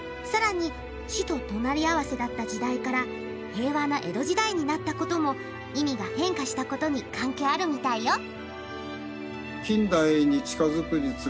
さらに死と隣り合わせだった時代から平和な江戸時代になったことも意味が変化したことに関係あるみたいよ。